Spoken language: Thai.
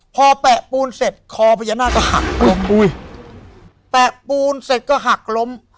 พอแปะปูนเสร็จคอพญานาคก็หักล้มอุ้ยแปะปูนเสร็จก็หักล้ม